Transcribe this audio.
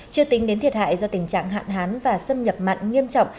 chưa tính đến thiệt hại do tình trạng hạn hán và xâm nhập mặn nghiêm trọng